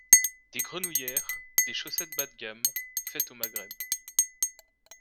Des grenouillères, des chaussettes bas de gamme, faites au Maghreb